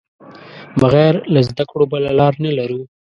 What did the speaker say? بغیر له زده کړو بله لار نه لرو.